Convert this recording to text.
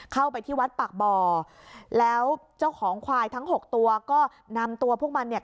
เข้าไปที่วัดปากบ่อแล้วเจ้าของควายทั้งหกตัวก็นำตัวพวกมันเนี่ย